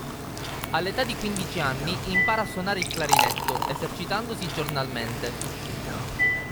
All'età di quindici anni impara a suonare il clarinetto, esercitandosi giornalmente.